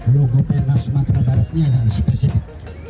logo penas sumatera barat ini ada spesifik